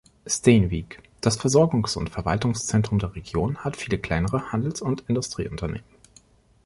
Steenwijk, das Versorgungs- und Verwaltungszentrum der Region, hat viele kleinere Handels- und Industrieunternehmen.